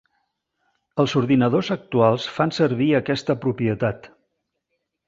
Els ordinadors actuals fan servir aquesta propietat.